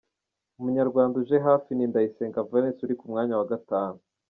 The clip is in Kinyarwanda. Umunyarwanda uje hafi ni Ndayisenga Valens uri ku mwanya wa gatanu.